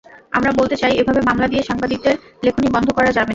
আমরা বলতে চাই, এভাবে মামলা দিয়ে সাংবাদিকদের লেখনী বন্ধ করা যাবে না।